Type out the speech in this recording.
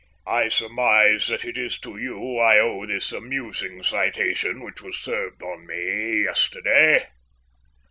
I surmise that it is to you I owe this amusing citation which was served on me yesterday."